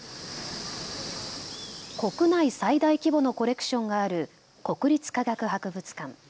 国内最大規模のコレクションがある国立科学博物館。